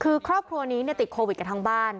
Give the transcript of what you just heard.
คือครอบครัวนี้ติดโควิดกันทั้งบ้าน